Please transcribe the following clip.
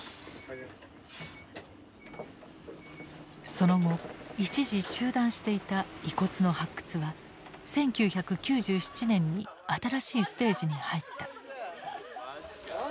その後一時中断していた遺骨の発掘は１９９７年に新しいステージに入った。